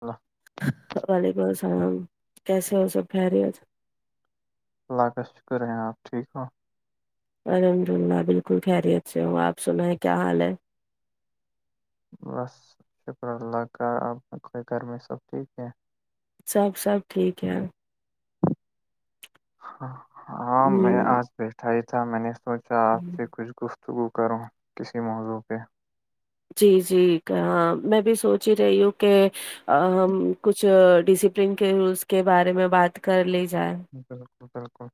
اللہ [unintelligible] وعلیکم السلام کیسے ہو سب بہریے آج [unintelligible] اللہ کا شکر ہیں آپ ٹھیک ہو الحمد اللہ بالکل خیریت سے ہوں آپ سنا ہے کیا حال ہے بس شکر اللہ کار آ کو گ میں سب ٹھیک [unintelligible] سب سب ٹھیک ہے ہاں میں ہ آج بیٹھا ہی تھا میں نے سوچا آپ سے کچھ گف توک کرو کسی موضوع پہ جی جی میں بھی سوچ ہی رہی ہوں کہ ہم کچھ ڈسپلین کے رولس کے بارے میں بات کر لی جائیں بالکل بالکل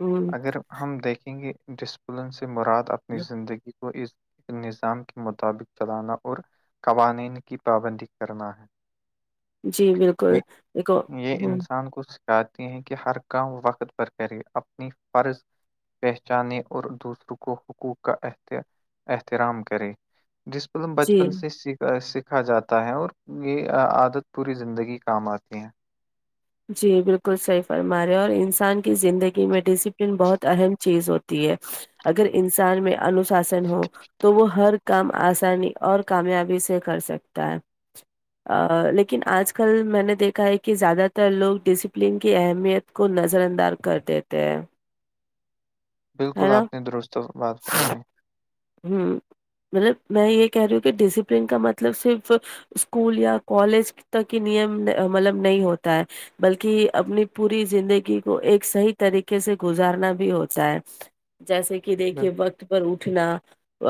ہ اگر ہم دیکھیں گے ڈسپ [unintelligible] بلن سے مراد اپنی زندگی کو اس نظام کے مطابق چلانا اور قوانین کی پابندی کرنا ہے جی بالکل دھو [unintelligible] سان کچھ [unintelligible] چاہتے ہیں کہ ہر کام وقت پر کرے اپنی فرض پہچانے اور دوسروں کو حقوق کا احترام کرے ڈسپللم جی بچپن سے سیکھ [unintelligible] سیکھا جاتا ہے اور یہ عادت پوری زندگی کام آتی ہے جی بالکل صحیح فرما رہے اور انسان کی زندگی میں ڈسپلن بہت اہم چیز ہوتی ہے اگر انسان میں انوشاسن ہو تو وہ ہر کام آسانی اور کامیابی سے کر سکتا ہے لیکن آج کل میں نے دیکھا ہے کہ زیادہ ت لوگ ڈسپلن کی اہمیت کو نظر اندار کر دیتے ہیں بالکل ہے نا آپ نے درست بات فرمائی ہوں مطلب میں یہ کہہ رہی ہوں کہ ڈسپلین کا مطلب صرف اسکول یا کالج تک یہ نیم مطلب نہیں ہوتا ہے [unintelligible] بلکہ اپنی پوری زندگی کو ایک صحیح طریقے سے گزارنا بھی ہوتا ہے ہم [inaudible] جیسے کہ دیکھیے وقت پر اٹھنا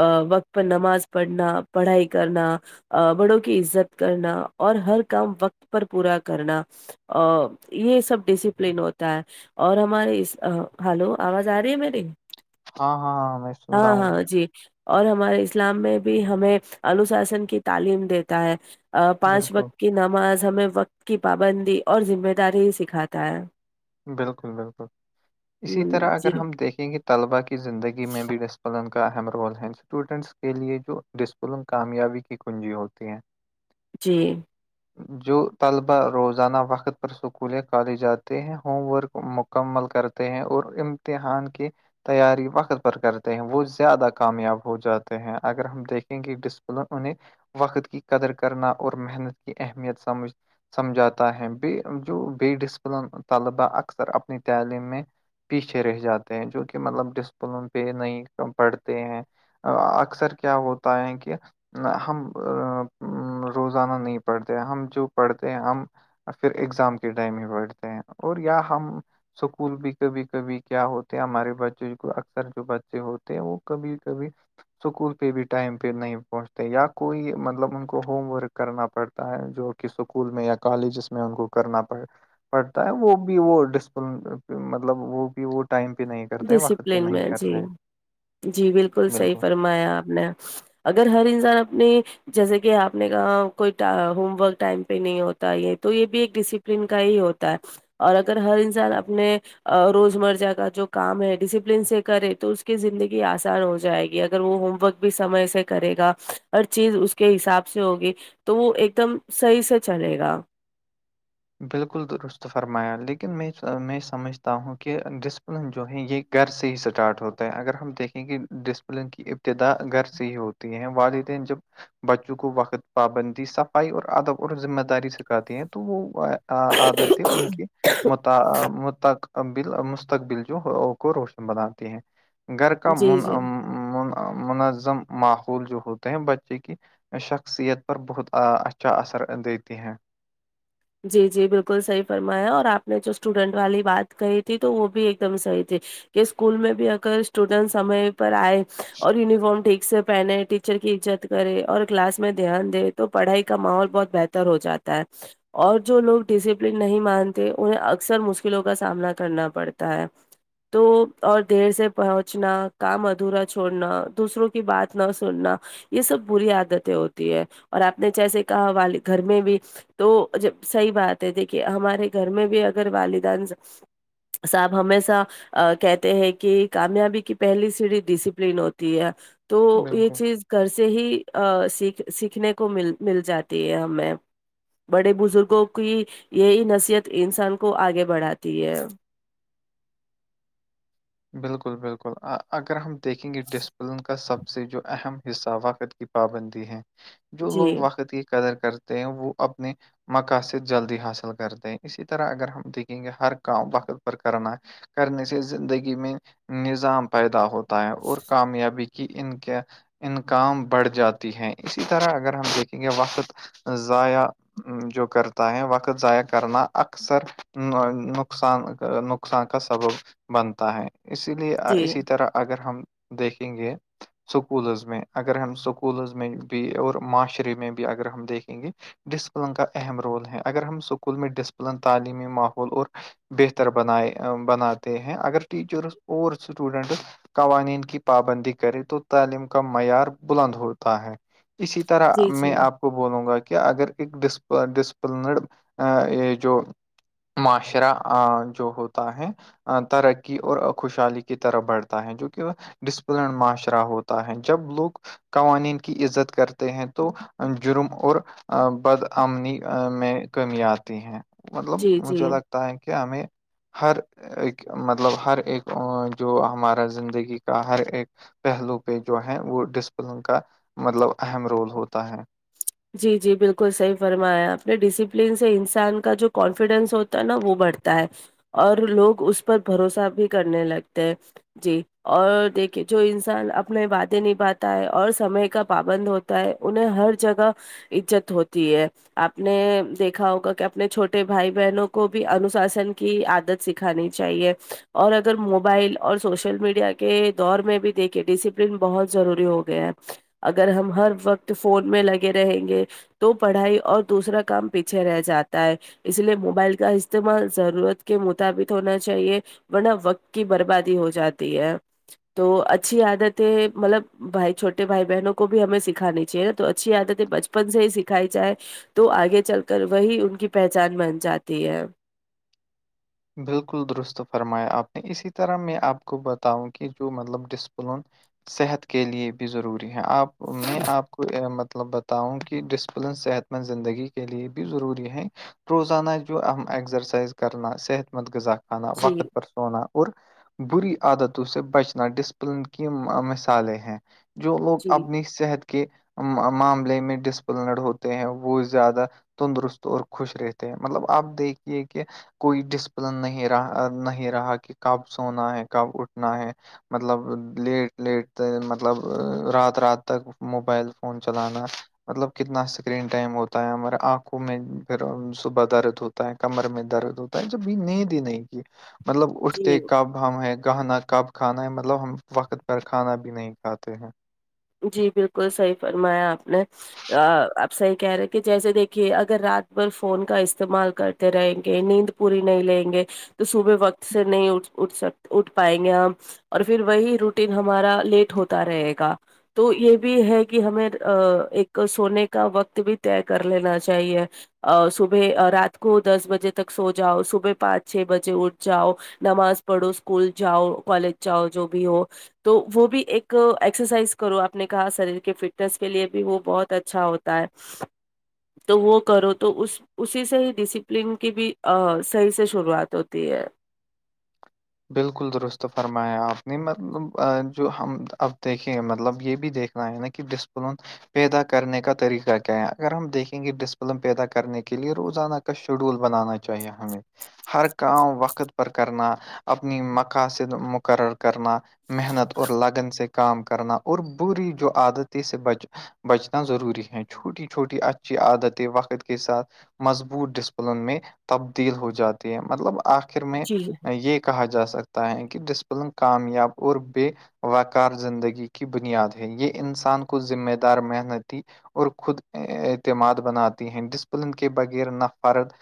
ا وقت پر نماز پڑھنا پڑھائی کرنا بڑوں کی عزت کرنا اور ہر کام وقت پر پورا کرنا ا یہ سب ڈسپلین ہوتا ہے اور ہماری ہلو آواز آ رہی ہے میری ہاں ہاں ہاں میں سن رہا ہاں ہوں ہاں جی اور ہمارے اسلام میں بھی ہمیں انوشاسن کی تعلیم دیتا ہے پانچ بالکل وقت کی نماز ہمیں وقت کی پابندی اور ذمہ داری ہی سکھاتا ہے بالکل بالکل ہ اسی طرح جی اگر ہم دیکھیں گے طلبا کی زندگی میں بھی ڈس پلن کا اہم رول ہے اسٹوڈینٹس کے لیے جو ڈسپلن کامیابی کی کنجی ہوتی ہے ہاں [inaudible] جی جو طلبا روزانہ وقت پر سکول یا کالج جاتے ہیں ہوم ورک مکمل کرتے ہیں اور امتحان کے تیاری وقت پر کرتے ہیں وہ زیادہ کامیاب ہو جاتے ہیں اگر ہم دیکھیں گے ڈسپلن انہیں وقت کی قدر کرنا اور محنت کی اہمیت سمجھ سمجھاتا ہے ب جو بے ڈسپلن طلبا اکثر اپنی تعلیم میں پیچھے رہ جاتے ہیں جو کہ مطلب ڈسپلن پہ نہیں پڑھتے ہیں اکثر کیا ہوتا ہے کہ ہم روزانہ نہیں پڑھتے ہم جو پڑھتے ہیں ہم پھر ایگزام کے ٹائم میں بیھتے ہیں اور یا ہم سکول بھی کبھی کبھی کیا ہوتے ہمارے بچے کو اکثر جو بچے ہوتے ہیں وہ کبھی کبھی اسکول پہ بھی ٹائم پہ نہیں پہنچتے یا کوئی مطلب ان کو ہوم ورک کرنا پڑتا تا ہے جو کہ اسکول میں یا کالجز میں ان کو کرنا پڑے وہ بھی وہ ڈسپلن مطلب وہ بھی وہ ٹائم پہ نہیں کرتے وقت پہ ڈسپلن نہیں میں کرتے جی ہیں، جی بالکل صحیح فرمایا آپ نے اگر ہر انسان اپنے جیسے کہ آپ نے کہا کوئی ہوم ورک ٹائم پہ نہیں ہوتا یہ تو یہ بھی ایک ڈسی کا ہی ہوتا ہے اور اگر ہر انسان اپنے روز مرہ کا جو کام ہے ڈسپلین سے کرے تو اس کی زندگی آسان ہو جائے گی اگر وہ ہوم ورک بھی سمے سے کرے گا ہر چیز اس کے حساب سے ہوگی تو وہ ایک دم صحیح سے چلے گا بالکل درست فرمایا لیکن میں میں سمجھتا ہوں کہ ڈسپلن جو ہے یہ گھر سے ہی اسٹارٹ ہوتا ہے اگر ہم دیکھیں کہ ڈسپلن کی ابتدا گھر سے ہی ہوتی ہیں والدین جب بچوں کو وقت پابندی صفائی اور ادب اور ذمہ داری سکھاتے ہیں تو وہ عادتییں ان کی متا متق بل مستقبل جو کو روشن بناتے ہیں گھر کا جی من جی منظم ماحول جو ہوتے ہیں بچے کی شخصیت پر بہت اچھا اثر دیتی ہیں جی جی بالکل صحیح فرمایا اور آپ نے جو اسٹوڈنٹ والی بات کہی تھی تو وہ بھی ایک دم صحیح تھی کہ اسکول میں بھی اگر اسٹوڈینٹ سمے پر آئے اور یونیفارم ٹھیک سے پہنےیک چر کیزت کرے اور کلاس میں دھیان دے تو پڑھائی کا ماحول بہت بہتر ہو جاتا ہے اور جو لوگ ڈسپلین نہیں مانتے انہیں اکثر مشکلوں کا سامنا کرنا پڑتا ہے تو اور دیر سے پہنچنا کام ادھورا چھوڑنا دوسروں کی بات نہ سننا یہ سب بری عادتیں ہوتی ہے اور آپ نے جیسے کہا وال گھر میں بھی تو جب صحیح بات ہے دیکھیے ہمارے گھر میں بھی اگر والدان صاحب ہمیشہ ا کہتے ہیں کہ کامیابی کی پہلی سیڑ ڈسپلین ہوتی ہے تو یہ بالکل چیز گھر سے ہی سیکھ سیکھنے کو مل مل جاتی ہے ہمیں بڑے بزرگوں کی یہی نصیحت انسان کو آگے بڑھاتی ہے بالکل بالکل اگر ہم دیکھیں گے ڈسپلن کا سب سے جو اہم حصہ وقت کی پابندی ہے جو لوگ جی وقت کی قدر کرتے وہ اپنے مقاصد جلدی حاصل کرتے ہیں اسی طرح اگر ہم دیکھیں گے ہر کام وقت پر کرنا کرنے سے زندگی میں نظام پیدا ہوتا ہے اور کامیابی کہ ان کے ان کاام بڑھ جاتی ہے اسی طرح اگر ہم دیکھیں گے وقت ضائع جو کرتا ہے وقت ضائع کرنا اکثر نقصان نقصان کا سبب بنتا ہے اسی لیے جی اسی طرح اگر ہم دیکھیں گے سکولز میں اگر ہم سکولز میں بھی اور معاشرے میں بھی اگر ہم دیکھیں گے ڈسپلن کا اہم رول ہے اگر ہم اسکول میں ڈسپلن تعلیمی ماحول اور بہتر بنائے بناتے ہیں اگر ٹیچرس اور اسٹوڈنٹ قوانین کی پابندی کرے تو تعلیم کا معیار بلند ہوتا ہے اسی طرح جی میں جی آپ کو بولوں گا کہ اگر ایکپ ڈسپلنڈ جو معاشرہ جو ہوتا ہے تر کی اور ا خوشحالی کی طرح بڑھتا ہے جو کہ ڈسپلن معاشرہ ہوتا ہے جب لوگ قوانین کی عزت کرتے ہیں تو جرم اور بدآمنی میں کمی آتی ہے مطلب جی جی مجھے لگتا ہے کہ ہمیں ہر ایک م مطلب ہر ایک جو ہمارا زندگی کا ہر ایک پہلو پہ جو ہے وہ ڈسپلن کا مطلب اہم رول ہوتا ہے جی جی بالکل صحیح فرمایا اپپ نے ڈسپلن سے انسان کا جو کانفیڈینس ہوتا ہے نا وہ بڑھتا ہے اور لوگ اس پر بھروسہ بھی کرنے لگتے جی اور دیکھیے جو انسان اپنے وادے نبھاتا ہے اور سمے کا پابند ہوتا ہوتا ہے انہیں ہر جگہ عزت ہوتی ہے آپ نے دیکھا ہوگا کہ اپنے چھوٹے بھائی بہنوں کو بھی انوشاسن کی آادت سکھانی چاہیے اور اگر موبائل اور سوشل میڈیا کے دور میں بھی دیکھیے ڈسپل پرنٹ بہت ضروری ہو گیا ہے اگر ہم ہر وقت فون میں لگے رہیں گے تو پڑھائی اور دوسرا کام پیچھے رہ جاتا ہے اس لیے موبائل کا استعمال ضرورت کے مطابق ہونا چاہیے ورنہ وقت کی بربادی ہو جاتی ہے تو اچھی عادتیں مطلب بھائی چھوٹے بھائی بہنوں کو بھی ہمیں سکھانی چاہیے نا تو اچھی عادت بچپن سے ہی سکھائی جائے تو آگے چل کر وہی ان کی پہچان بن جاتی ہے بالکل درست فرمایا آپ نے اسی طرح میں آپ کو بتاؤں کہ جو مطلب ڈسپلن صحت کے لیے بھی ضروری ہیں آپ میں آپ کو مطلب بتاؤں کہ ڈسپلن صحت زندگی کے لیے بھی ضروری ہے روزانہ جو اہم ایکسرسائز کرنا صحت حط مت غذا خانا جی وقت پر ہونا اور بری عادتوں سے بچنا ڈسپلن کی مثالیں ہیں جو لوگ جی اپنی صحت کے معاملے میں ڈسپلنڈ ہوتے ہیں وہ زیادہ تندرست اور خوش رہتے ہیں مطلب آپ دیکھیے کہ کوئی ڈ پ نہیں رہا نہیں رہا کہ کب سونا ہے کب اٹھنا ہے مطلب لیٹ لیٹ مطلب رات رات تک موبائل فون چلانا مطلب کتنا اسکرین ٹائم ہوتا ہے ہمارے آنکھوں میں پھر صبح درد ہوتا کمر میں درد ہوتا ہے جب بھی نیند ہی نہیں کی مطلب اٹھتے جی کب ہے گہنا کب کھانا ہے مطلب ہم وقت پر کھانا بھی نہیں کھاتے ہیں جی بالکل صحیح فرمایا آپ نے آپ صحیح کہہ رہے کہ جیسے دیکھیے اگر رات بھر فون کا استعمال کرتے رہیں گے نیند پوری نہیں لیں گے تو صبح وقت سے نہیں اٹھ اٹھ سک اٹھ پائیں گے ہم اور پھر وہی روٹین ہمارا لیٹ ہوتا رہے گا تو یہ بھی ہے کہ ہمیں ایک سونے کا وقت بھی طے کر لینا چاہیے ا صبح رات کو دس بجے تک سو جاؤ صبح پانچ چھ بجے اٹھ جاؤ نماز پڑھو اسکول جاؤ کالج جاؤ جو بھی ہو تو وہ بھی ایک ایکسرسائز کرو آپ نے کہا شریر کے فٹنیس کے لیے بھی وہ بہت اچھا ہوتا ہے تو وہ کرو تو اس اسی سے ہی ڈسپلن کی بھی صحیح سے شروعات ہوتی ہے بالکل درست فرمایا آپ نے مطلب جو ہم اب دیکھے مطلب یہ بھی دیکھ نہیں نا کہ ڈسپلون پیدا کرنے کا طریقہ کیا ہے اگر ہم دیکھیں گے ڈسپلن پیدا کرنے کے لیے روزانہ کا شیڈول بنانا چاہیے ہمیں ہر کام وقت پر کرنا اپنی مقا سے مقرر کرنا محنت اور لگن سے کام کرنا اور بری جو عادتی سے بچ بچنا ضروری ہے چھوٹی چھوٹی اچھی عادتیں وقت کے ساتھ مضبوط ڈسپلن میں تبدیل ہو جاتی ہے مطلب آخر میں جی یہ کہا جا سکتا ہے کہ ڈسپلن کامیاب اور بے وقار زندگی کی بنیاد ہے یہ انسان کو ذمہ دار محنتی اور خود اعتماد بناتی ہیں ڈسپلن کے بغیر نہفرد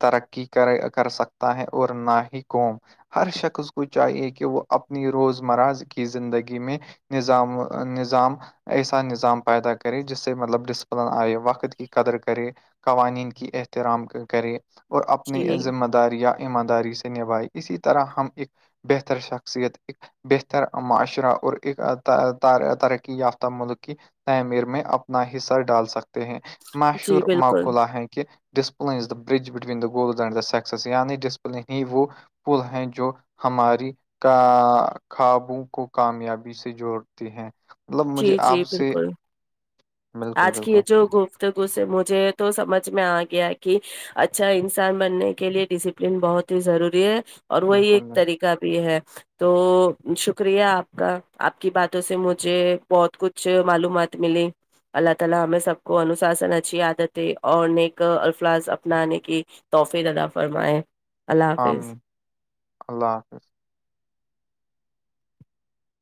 ترقی کرے کر سکتا ہے اور نہ ہی کووم ہر شخص کو چاہیے کہ وہ اپنی روزمرہ کی زندگی میں نظام نظام ایسا نظام پیدا کرے جس سے مطلب ڈسپلن آئے وقت کی قدر کرے قوانین کی احترام کرے اور اپنی جی ذمہ داری یا ایمانداری سے نبھائی اسی طرح ہم ایک بہتر شخصیت ا بہتر معاشرہ اور ایک ترقی یافتہ ملک کی تعمیر میں اپنا حصہ ڈال سکتے ہیں جی مشور بالکل معقلہ ہیں کہ discipline is the bridge between the goals and سکسیسیعنی ڈسپلن ہی وہ پل ہیں جو ہماری خوابوں کو کامیابی سے جوڑتے ہیں مطلب مجھے جی آپ جی سے بالکل بالکل آج کی یہ بالکل جو گفتگ مجھے تو سمجھ میں آ گیا کہ اچھا انسان بننے کے لیے ڈسپلین بہت ہی ضروری ہے اور وہی ایک بالکل طریقہ بھی ہے تو شکریہ آپ کا آپ کی باتوں سے مجھے بہت کچھ معلومات ملیں اللہ تعالی ہمیں سب کو انوشاسن اچھی عادت ہے اور نیک الفاظ اپنانے کی توحفے ددا فرمائے اللہ عام حافظ اللہ حافظ